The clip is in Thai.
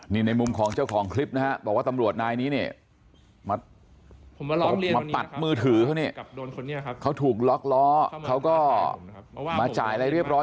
นี่ในมุมของเจ้าของคลิปนะฮะบอกว่าตำรวจนายนี้เนี่ยมาตบมาปัดมือถือเขาเนี่ยเขาถูกล็อกล้อเขาก็มาจ่ายอะไรเรียบร้อย